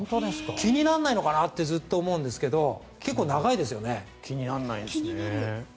気にならないのかなってずっと思うんですけど気にならないんですね。